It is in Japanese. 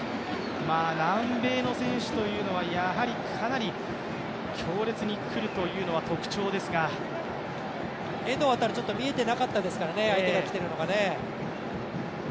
南米の選手たちというのはかなり強烈に来るというのは遠藤航、見えていなかったですからね、相手が来ているのがね。